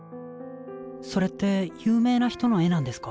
それって有名な人の絵なんですか？